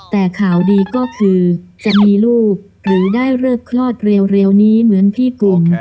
แต่ข่าวดีก็คือจะมีลูกหรือได้เลิกคลอดเร็วนี้เหมือนพี่กลุ่ม